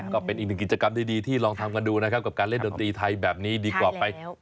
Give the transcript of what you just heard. ก็เป็นอีกหนึ่งกิจกรรมดีที่ลองทำกันดูนะครับกับการเล่นดนตรีไทยแบบนี้ดีกว่าไป